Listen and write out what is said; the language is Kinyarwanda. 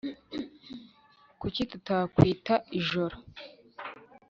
Kuki tutakwita ijoro